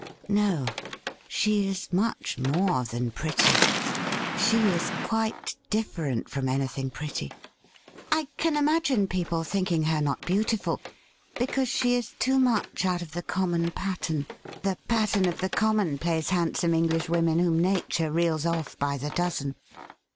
' No, she is much more than pretty ; she is quite different from anything pretty. I can imagine people thinking her not beautiful, because she is too much out of the common pattern — the pattern of the commonplace handsome English women whom Natui'e reels off by the dozen.'